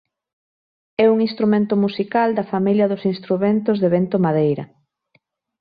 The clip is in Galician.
É un instrumento musical da familia dos instrumentos de vento-madeira